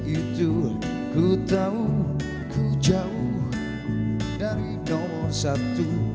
itu ku tahu jauh dari nomor satu